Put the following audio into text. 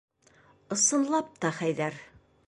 Ысынлап та Хәйҙәр!